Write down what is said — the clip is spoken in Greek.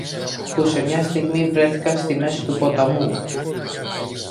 που σε μια στιγμή βρέθηκαν στη μέση του ποταμού